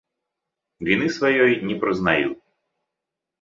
Віны сваёй не прызнаю.